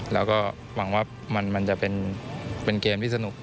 แล้วก็หวังว่ามันจะเป็นเกมที่สนุก